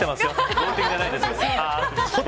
合理的じゃないですよ。